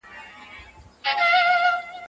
پخوا کوچیان د قافلو په څیر خپل مالونه لیږدول.